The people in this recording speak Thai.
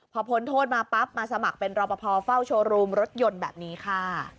พอพ้นโทษมาปั๊บมาสมัครเป็นรอปภเฝ้าโชว์รูมรถยนต์แบบนี้ค่ะ